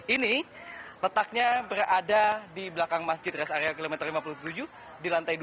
ini letaknya berada di belakang masjid res area kilometer lima puluh tujuh di lantai dua